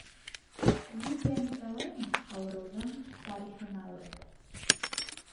- Лидия Николаевна ауырыуҙың «тарихы»на үрелде.